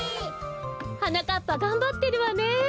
はなかっぱがんばってるわね。